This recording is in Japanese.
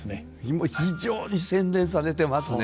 もう非常に洗練されてますね。